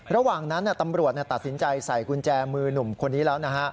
ระหว่างนั้นตำรวจตัดสินใจใส่กุญแจมือหนุ่มคนนี้แล้วนะฮะ